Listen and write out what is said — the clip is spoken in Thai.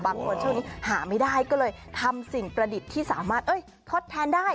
ช่วงนี้หาไม่ได้ก็เลยทำสิ่งประดิษฐ์ที่สามารถทดแทนได้